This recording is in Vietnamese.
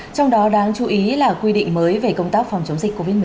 trong đó đáng chú ý là quy định mới về công tác phòng chống dịch covid một mươi chín